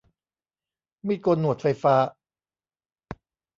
มีดโกนหนวดไฟฟ้า